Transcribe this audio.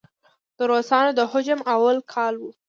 د روسانو د هجوم اول کال و.